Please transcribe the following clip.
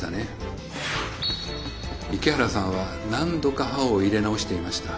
池原さんは何度か刃を入れ直していました。